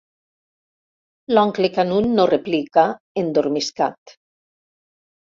L'oncle Canut no replica, endormiscat.